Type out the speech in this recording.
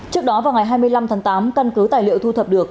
trước đó vào ngày hai mươi năm tháng tám căn cứ tài liệu thu thập được